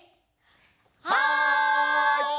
はい！